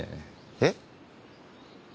えっ？